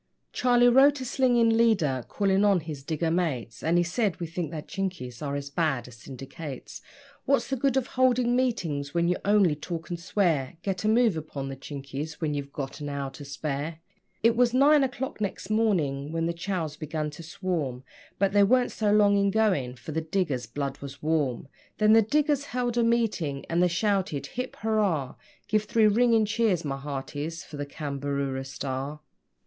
Charlie wrote a slinging leader, calling on his digger mates, And he said: 'We think that Chinkies are as bad as syndicates. What's the good of holding meetings where you only talk and swear? Get a move upon the Chinkies when you've got an hour to spare.' It was nine o'clock next morning when the Chows began to swarm, But they weren't so long in going, for the diggers' blood was warm. Then the diggers held a meeting, and they shouted: 'Hip hoorar! Give three ringing cheers, my hearties, for the CAMBAROORA STAR.'